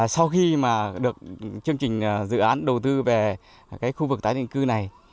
sau khi mà được chương trình dự án đầu tư về khu vực tái định cư này